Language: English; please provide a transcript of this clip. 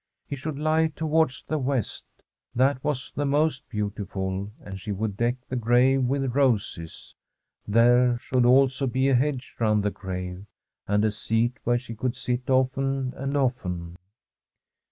He should lie towards the west, that was the most beautiful, and she would deck the grave with roses. There should also be a hedge round the grave, and a seat where she could sit often and often.